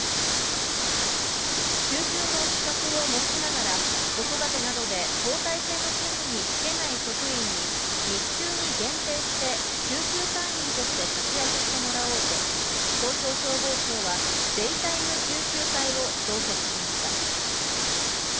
救急の資格を持ちながら、子育てなどで交代制の勤務に就けない職員に、日中に限定して、救急隊員として活躍してもらおうと、東京消防庁は、デイタイム救急隊を増設しました。